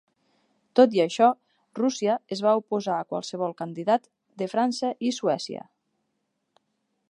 Tot i això, Rússia es va oposar a qualsevol candidat de França i Suècia.